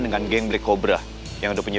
dengan gang black cobra yang udah punya